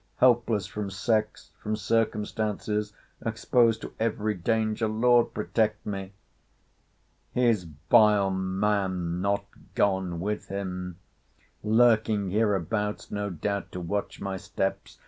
—Helpless from sex!—from circumstances!—Exposed to every danger!—Lord protect me! 'His vile man not gone with him!—Lurking hereabouts, no doubt, to watch my steps!